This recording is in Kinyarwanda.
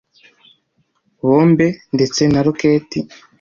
bombe ndetse na roketi